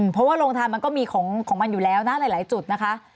เพราะว่าโรงทานมันก็มีของมันอยู่แล้วนะหลายจุดนะคะ